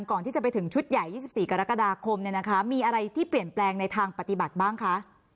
ก่อนที่จะไปถึงชุดใหญ่๒๔กรกฎาคมมีอะไรที่เปลี่ยนแปลงในทางปฏิบัติบ้างคะ